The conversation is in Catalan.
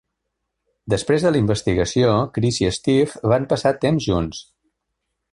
Després de la investigació, Chris i Steve van passar temps junts.